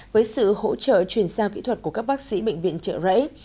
với sự hỗ trợ truyền sang kỹ thuật của các bác sĩ bệnh viện trợ rễ